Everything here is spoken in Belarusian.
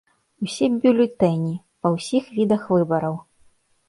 Усе бюлетэні, па ўсіх відах выбараў.